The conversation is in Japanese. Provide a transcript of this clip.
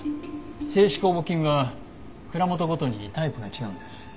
清酒酵母菌は蔵元ごとにタイプが違うんです。